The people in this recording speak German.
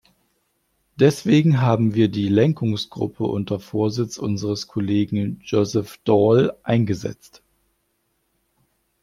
Deswegen haben wir die Lenkungsgruppe unter Vorsitz unseres Kollegen Joseph Daul eingesetzt.